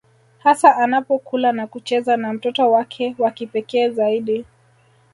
Hasa anapokula na kucheza na mtoto wake wa kipekee zaidi